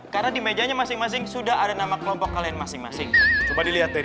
karena di mejanya masing masing sudah ada nama kelompok kalian masing masing coba dilihat dari